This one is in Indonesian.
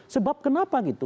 sebab kenapa gitu